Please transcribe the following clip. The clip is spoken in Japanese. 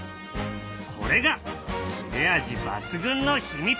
これが切れ味抜群の秘密だ。